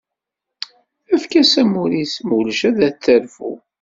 Efk-as amur-is mulac ad terfu.